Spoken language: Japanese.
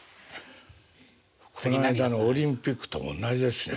この間のオリンピックとおんなじですね。